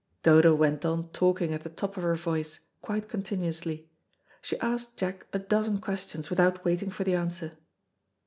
Dodo went on talking at the top of her voice, quite continuously. She asked Jack a dozen questions without waiting for the answer.